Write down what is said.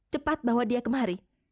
cepat bawa dia kemari